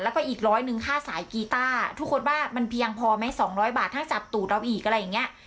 แล้วก็อีกร้อยหนึ่งค่าสายกีต้าทุกคนว่ามันเพียงพอไหม๒๐๐บาทถ้าจับตูดเราอีกอะไรอย่างเงี้ย